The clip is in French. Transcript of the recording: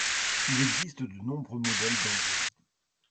Il existe de nombreux modèles d'androïdes.